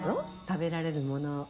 食べられるものを。